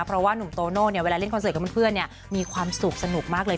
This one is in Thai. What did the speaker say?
เพราะว่านุ่มโตโน่เนี่ยเวลาเล่นคอนเสิร์ตกับเพื่อนมีความสุขสนุกมากเลย